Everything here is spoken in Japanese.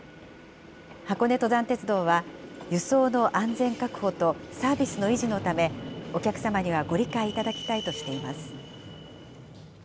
箱根登山鉄道は、輸送の安全確保とサービスの維持のため、お客様にはご理解いただきたいとしています。